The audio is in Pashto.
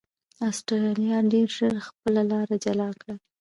اسټرالیا ډېر ژر خپله لار جلا کړه.